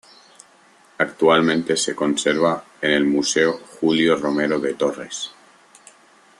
Actualmente se conserva en el Museo Julio Romero de Torres.